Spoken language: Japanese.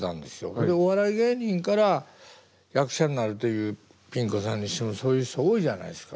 それでお笑い芸人から役者になるというピン子さんにしてもそういう人多いじゃないですか。